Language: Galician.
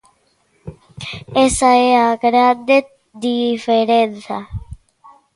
Esa é a grande diferenza.